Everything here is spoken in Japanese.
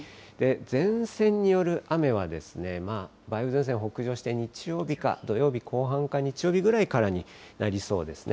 前線による雨は、梅雨前線北上して、日曜日か、土曜日後半か、日曜日くらいからになりそうですね。